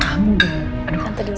kamu dong aduh tante di sini